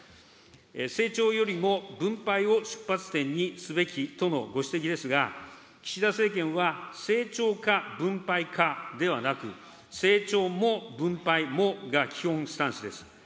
成長よりも分配を出発点にすべきとのご指摘ですが、岸田政権は、成長か分配かではなく、成長も分配もが基本スタンスです。